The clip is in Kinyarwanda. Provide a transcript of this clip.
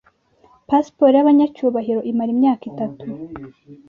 pasiporo y abanyacyubahiro imara imyaka itanu .